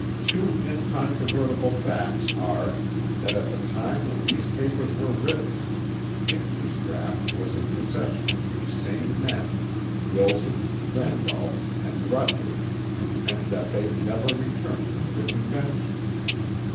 Two incontrovertible facts are that at the time when these papers were written, Pinckney's draught was in possession of these same men, Wilson, Randolph and Rutledge, and that they never returned it to the Convention.